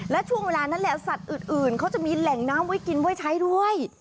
และช่วงเวลานั้นแหละสัตว์อื่นเขาจะมีแหล่งน้ำไว้กินไว้ใช้ด้วย